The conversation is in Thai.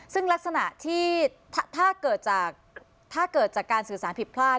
ซึ่งลักษณะที่ถ้าเกิดจากการสื่อสารผิดพลาด